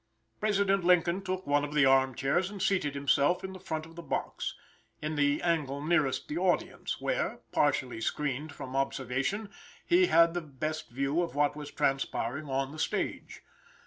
President Lincoln took one of the arm chairs and seated himself in the front of the box, in the angle nearest the audience, where, partially screened from observation, he had the best view of what was transpiring on the stage.